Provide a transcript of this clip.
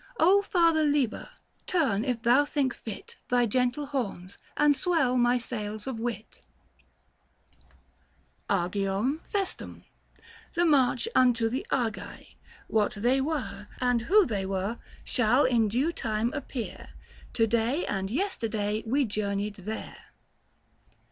O Father Liber, turn if thou think fit Thy gentle horns, and swell my sails of wit. Book TIL THE FASTI. 97 ABGEOEUM FESTUM. The march unto the Argei ; what they were, And who they were, shall in due time appear ; To day and yesterday we journeyed there.